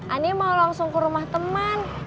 ani mau langsung ke rumah teman